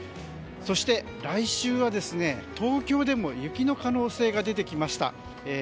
そして、来週は東京でも雪の可能性が出てきました。